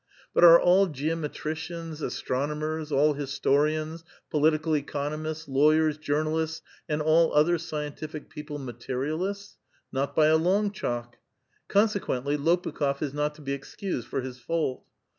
But are all geometricians, as tronomers, all historians, i)olitical economists, lawyers, jour nalists, and all other seientitic people, materialists? Not by a loni^ chalk I Consequently, Lopuk^t* is not to be excused for his fault.